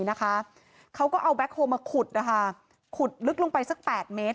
นะคะเขาก็เอาแบ็คโฮลมาขุดนะคะขุดลึกลงไปสัก๘เมตร